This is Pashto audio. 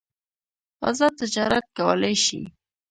ازاد تجارت کولای شي.